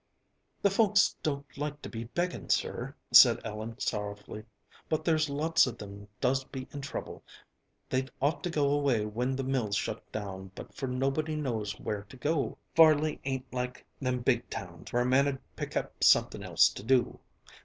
"The folks don't like to be begging, sir," said Ellen sorrowfully, "but there's lots of them does be in trouble. They'd ought to go away when the mills shut down, but for nobody knows where to go. Farley ain't like them big towns where a man'd pick up something else to do.